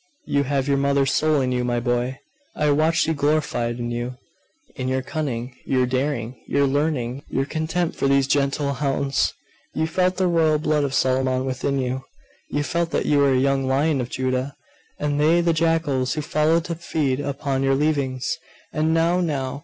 You have your mother's soul in you, my boy! I watched you, gloried in you in your cunning, your daring, your learning, your contempt for these Gentile hounds. You felt the royal blood of Solomon within you! You felt that you were a young lion of Judah, and they the jackals who followed to feed upon your leavings! And now, now!